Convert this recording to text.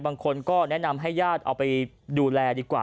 บางคนก็แนะนำให้ญาติเอาไปดูแลดีกว่า